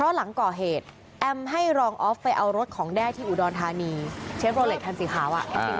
แอมให้รองอฟไปเอารถของแด้ที่อุดรธานีเชฟโรเล็กทางสีขาว